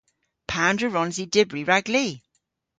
Pandr'a wrons i dybri rag li?